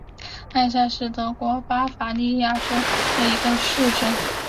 艾夏是德国巴伐利亚州的一个市镇。